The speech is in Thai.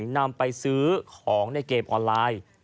นำไปซื้อของในเกมออนไลน์